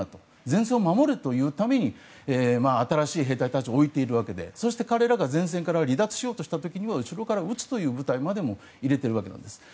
前線を守れというために新しい兵隊たちを置いているわけでそして彼らが前線から離脱しようとしたら後ろから撃つ部隊まで入れているわけです。